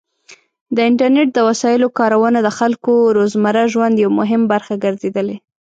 د انټرنیټ د وسایلو کارونه د خلکو د روزمره ژوند یو مهم برخه ګرځېدلې.